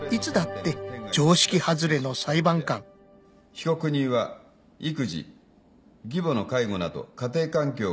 被告人は育児義母の介護など家庭環境が。